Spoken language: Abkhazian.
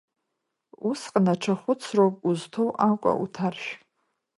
Усҟан аҽа хәыцроуп, узҭоу акәа уҭаршә.